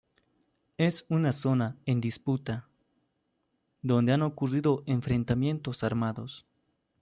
Es una zona en disputa, donde han ocurrido enfrentamientos armados.